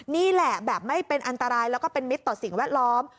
นี่แหละแบบไม่เป็นอันตรายแล้วก็เป็นมิตรต่อสิ่งแวดล้อม